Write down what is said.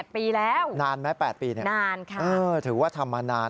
๘ปีแล้วนานแม้๘ปีนี่ถือว่าทำมานาน